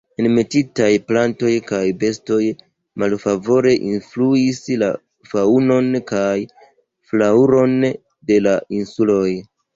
Enmetitaj plantoj kaj bestoj malfavore influis la faŭnon kaj flaŭron de la insuloj.